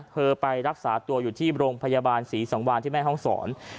ไปรักษาตัวอยู่ที่โรงพยาบาลศรีสังวานที่แม่ห้องศร